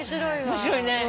面白いね。